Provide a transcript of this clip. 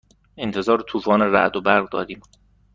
انتظار طوفان رعد و برق داریم.